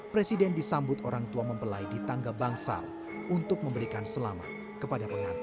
presiden disambut orang tua mempelai di tangga bangsal untuk memberikan selamat kepada pengantin